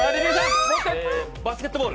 バスケットボール。